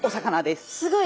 すごい。